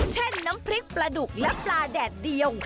น้ำพริกปลาดุกและปลาแดดเดียว